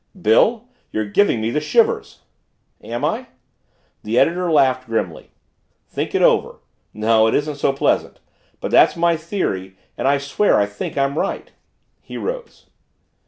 "Bill! You're giving me the shivers!" "Am I?" The editor laughed grimly. "Think it over. No, it isn't so pleasant. But that's my theory and I swear I think I'm right." He rose.